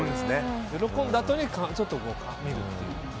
喜んだあとにちょっと見るという。